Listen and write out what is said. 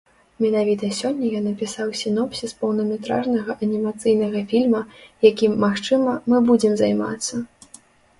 Менавіта сёння я напісаў сінопсіс поўнаметражнага анімацыйнага фільма, якім, магчыма, мы будзем займацца.